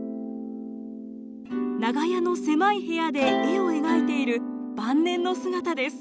長屋の狭い部屋で絵を描いている晩年の姿です。